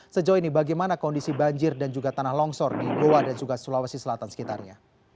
sejauh ini bagaimana kondisi banjir dan juga tanah longsor di goa dan juga sulawesi selatan sekitarnya